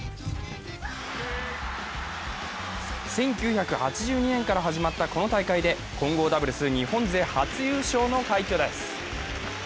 １９８２年から始まったこの大会で混合ダブルス日本勢初優勝の快挙です。